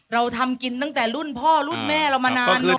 เราทำกินตั้งแต่รุ่นพ่อรุ่นแม่เรามานานครับ